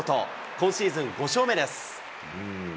今シーズン５勝目です。